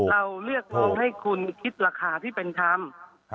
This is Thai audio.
เราเรียกร้องให้คุณคิดราคาที่เป็นทำ